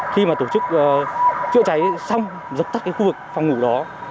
khi mà tổ chức chữa cháy xong dập tắt cái khu vực phòng ngủ đó